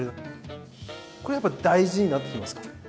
これはやっぱり大事になってきますか？